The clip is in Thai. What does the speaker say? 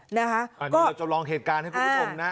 อันนี้เราจำลองเหตุการณ์ให้คุณผู้ชมนะ